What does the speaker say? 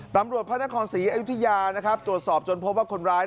ตำรวจพระนครศรีอายุธยาตรวจสอบจนพบว่าคนร้าย